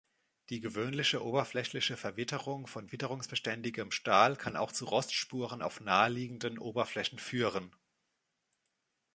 Die gewöhnliche oberflächliche Verwitterung von witterungsbeständigem Stahl kann auch zu Rostspuren auf naheliegenden Oberflächen führen.